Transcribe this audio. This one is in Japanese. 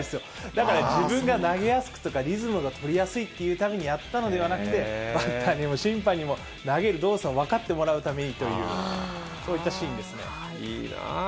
だから、自分が投げやすくとか、リズムが取りやすいというためにやったのではなくて、バッターにも審判にも投げる動作を分かってもらうためにという、いいなぁ。